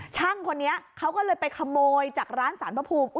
ช่างคนนี้เขาก็เลยไปขโมยจากร้านสารพระภูมิ